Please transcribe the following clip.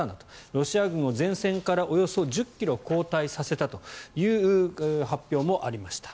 ロシア軍を前線からおよそ１０ｋｍ後退させたという発表もありました。